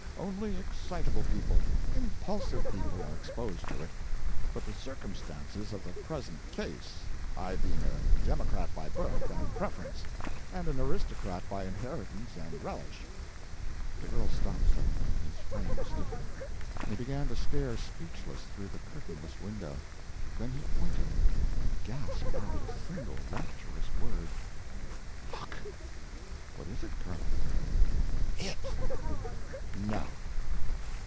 Only excitable people, impulsive people, are exposed to it. But the circumstances of the present case—I being a democrat by birth and preference, and an aristocrat by inheritance and relish—" The earl stopped suddenly, his frame stiffened, and he began to stare speechless through the curtainless window. Then he pointed, and gasped out a single rapturous word: "Look!" "What is it, Colonel?" "It!" "No!"